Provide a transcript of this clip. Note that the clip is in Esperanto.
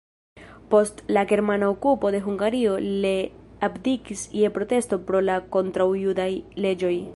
Post la germana okupo de Hungario le abdikis je protesto pro la kontraŭjudaj leĝoj.